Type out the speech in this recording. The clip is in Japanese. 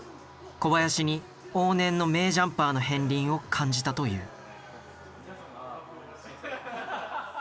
小林に往年の名ジャンパーの片りんを感じたという。